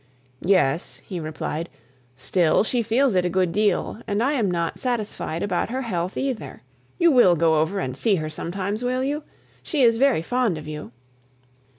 "Yes," he replied. "Still she feels it a good deal; and I'm not satisfied about her health either. You will go out and see her sometimes, will you? she is very fond of you."